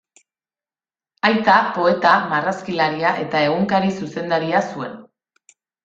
Aita poeta, marrazkilaria eta egunkari-zuzendaria zuen.